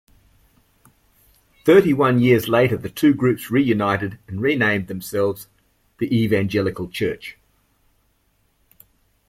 Thirty-one years later the two groups reunited and renamed themselves "The Evangelical Church".